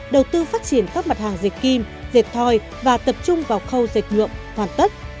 đầu tư phát triển các mặt hàng dịch kim diệt thoi và tập trung vào khâu dệt nhuộm hoàn tất